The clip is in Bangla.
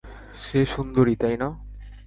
সে সুন্দরী, তাই না?